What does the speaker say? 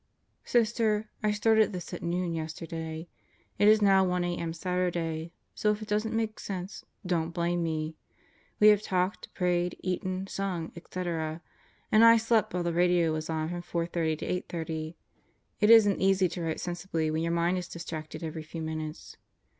Sister, I started this at noon yesterday. It is now 1 a.m. Saturday, so if it doesn't make sense, don't blame me. We have talked, prayed, eaten, sung, etc. and I slept while the radio was on from 4:30 to 8:30. It isn't easy to write sensibly when your mind is distracted every few minutes.